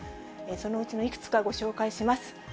そのうちのいくつかご紹介します。